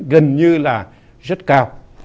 gần như là rất cao